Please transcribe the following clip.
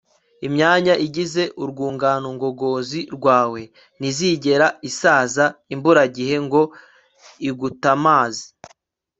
imyanya igize urwungano ngogozi rwawe ntizigera isaza imburagihe ngo igutamaze